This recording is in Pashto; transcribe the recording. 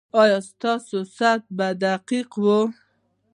ایا ستاسو ساعت به دقیق وي؟